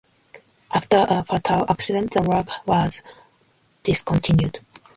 After a fatal accident, the work was discontinued.